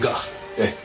ええ。